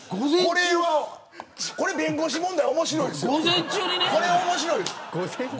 これは弁護士問題面白いですよ。